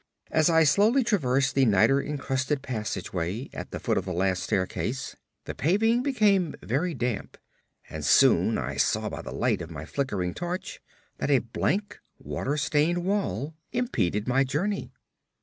As I slowly traversed the nitre encrusted passageway at the foot of the last staircase, the paving became very damp, and soon I saw by the light of my flickering torch that a blank, water stained wall impeded my journey.